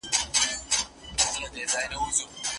ایا د تیزس بشپړه پړه پر لارښود استاد ده؟